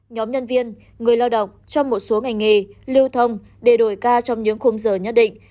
nhóm nhân viên người lao động trong một số ngành nghề lưu thông để đổi ca trong những khung giờ nhất định